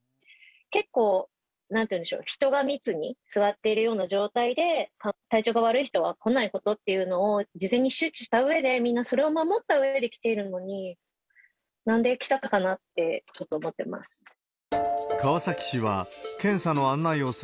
結構、なんていうんでしょう、人が密に座っているような状態で、体調が悪い人は来ないことっていうのを事前に周知したうえで、みんなそれを守ったうえで来ているのに、なんで来ちゃったかなって、ちょっと思ってます。